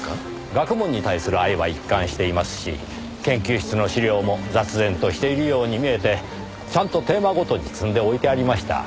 学問に対する愛は一貫していますし研究室の資料も雑然としているように見えてちゃんとテーマごとに積んで置いてありました。